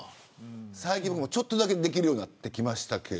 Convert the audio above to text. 最近ちょっとだけできるようになってきました。